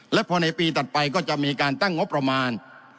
และพอในปีถัดไปก็จะมีการตั้งงบประมาณ